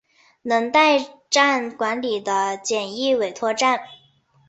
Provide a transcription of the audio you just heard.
能代站管理的简易委托站。